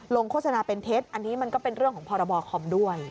โฆษณาเป็นเท็จอันนี้มันก็เป็นเรื่องของพรบคอมด้วย